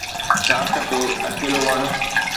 شاخ تي اڪيلو وڻ